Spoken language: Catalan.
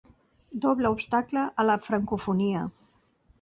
Doble obstacle a la francofonia.